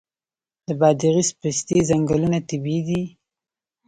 د بادغیس پستې ځنګلونه طبیعي دي؟